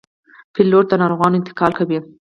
پیلوټ د ناروغانو انتقال کوي.